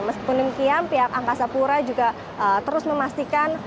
meskipun demikian pihak angkasa pura juga terus memastikan